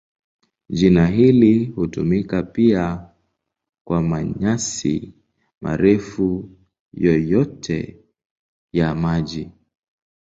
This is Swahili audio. Jina hili hutumika pia kwa manyasi marefu yoyote ya maji.